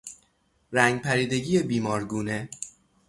رنگ پریدگی بیمارگونه